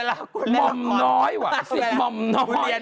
อะาว่าซิทธิ์ว่ามน้อยว่ะหม่อมน้อย